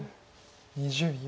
２０秒。